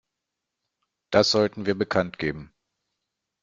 Das sollten wir bekanntgeben.